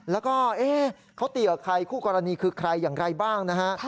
แล้วก็เขาตีกับใครคู่กรณีคือใครอย่างไรบ้างนะฮะ